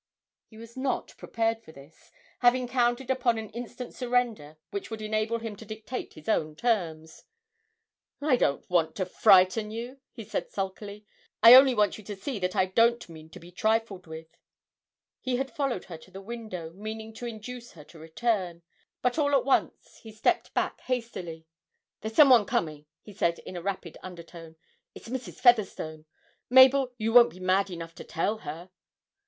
He was not prepared for this, having counted upon an instant surrender which would enable him to dictate his own terms. 'I don't want to frighten you,' he said sulkily: 'I only want you to see that I don't mean to be trifled with!' He had followed her to the window, meaning to induce her to return, but all at once he stepped back hastily. 'There's some one coming,' he said in a rapid undertone: 'it's Mrs. Featherstone. Mabel you won't be mad enough to tell her!'